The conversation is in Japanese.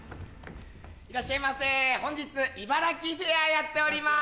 いらっしゃいませ本日茨城フェアやっております。